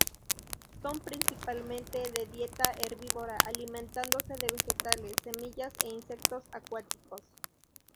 Son principalmente de dieta herbívora, alimentándose de vegetales, semillas, e insectos acuáticos.